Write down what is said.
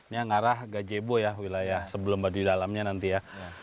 yang ngarah gajebo ya wilayah sebelum baduy dalamnya nanti ya